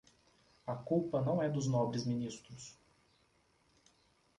A culpa não é dos nobres ministros.